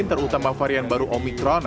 terutama varian baru omicron